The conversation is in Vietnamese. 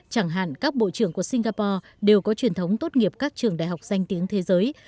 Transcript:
chẳng hạn các bộ trưởng của singapore đều có truyền thống tốt nghiệp các trường đại học danh tiếng thế giới